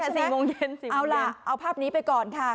ใช่สี่โมงเย็นสี่โมงเย็นเอาล่ะเอาภาพนี้ไปก่อนค่ะ